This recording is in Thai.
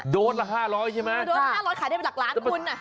โดดละ๕๐๐ใช่ไหมโดดละ๕๐๐ขายได้เป็นหลักล้านกูน